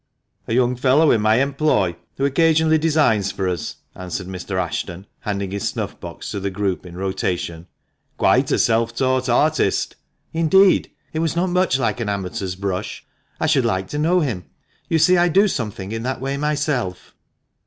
A young fellow in my employ, who occasionally designs for us," answered Mr. Ashton, handing his snuff box to the group in rotation —" quite a self taught artist !"" Indeed ! It was not much like an amateur's brush. I should like to know him. You see I do something in that way myself."